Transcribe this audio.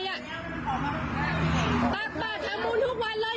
ขาดมูลทุกวันเลย